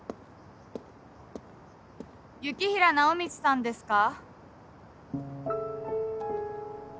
・雪平直道さんですか？